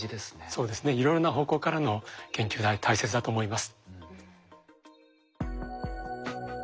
そうですねいろいろな方向からの研究は大切だと思います。